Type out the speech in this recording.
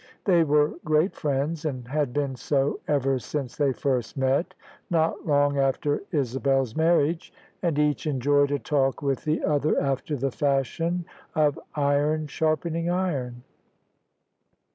They were great friends — ^and had been so ever since they first met, not long after Isabel's marriage — ^and each enjoyed a talk with the other after the fashion of iron sharpening iron.